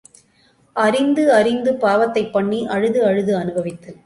அறிந்து அறிந்து பாவத்தைப் பண்ணி அழுது அழுது அனுபவித்தல்.